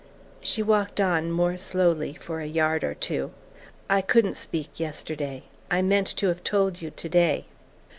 She walked on, more slowly, for a yard or two. "I couldn't speak yesterday. I meant to have told you today."